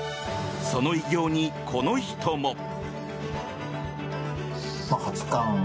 その偉業にこの人も。